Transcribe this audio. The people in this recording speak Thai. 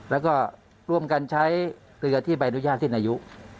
แล้วก็ร่วมกันใช้เรือที่ใบอนุญาตสิ้นอายุ